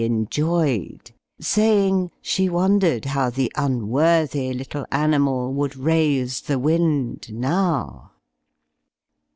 enjoyed, saying, she wondered how the unworthy little animal would raise the wind now.